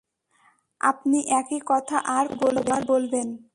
আপনি একই কথা আর কতবার বলবেন!